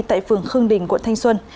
tại phường khương đình quận thanh xuân